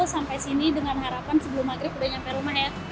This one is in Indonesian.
sampai sini dengan harapan sebelum maghrib udah sampai rumah ya